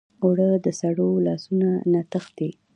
اوړه د سړو لاسو نه تښتي